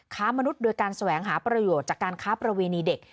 ค้ามนุษย์โดยการแสวงหาประโยชน์จากการค้าประเวณีเด็ก